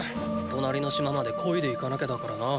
隣の島まで漕いで行かなきゃだからな。